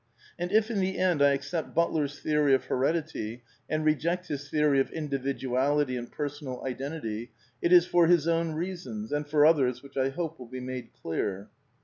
And if in the end I accept Butler's theory of Heredity and re ject his theory of Individuality and Personal Identity it is for his own reasons and for others which I hope will be made clear.